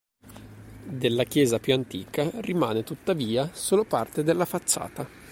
Della chiesa più antica rimane tuttavia solo parte della facciata.